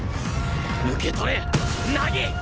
受け取れ凪！